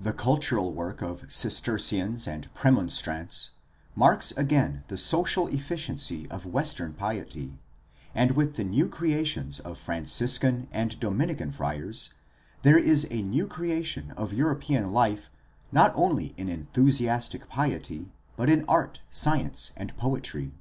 The cultural work of Cistercians and Premonstrants marks again the social effi ciency of Western piety, and with the new creations of Francis can and Dominican friars there is a new creation of European life not only in enthusiastic piety but in art, science, and poetry.